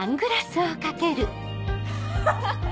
ハハハハ！